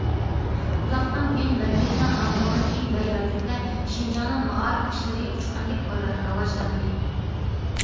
ئۇزاقتىن بۇيان، مەركەزنىڭ غەمخورلۇقى ۋە ياردىمىدە شىنجاڭنىڭ مائارىپ ئىشلىرى ئۇچقاندەك راۋاجلاندى.